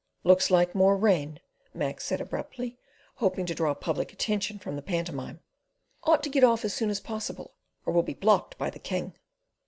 "Looks like more rain," Mac said abruptly, hoping to draw public attention from the pantomime. "Ought to get off as soon as possible, or we'll be blocked at the King."